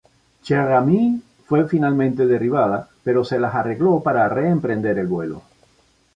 Cher Ami fue finalmente derribada pero se las arregló para reemprender el vuelo.